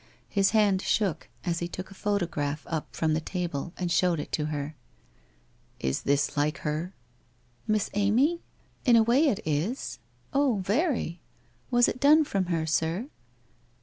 His hand shook as he took a photograph up from the table and showed it to her. 'Is this like her?' * Miss Amy? In a way it is. Oh, very. Was it done from her, sir